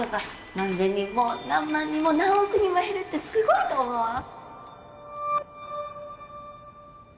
何千人も何万人も何億人も減るってすごいと思わん？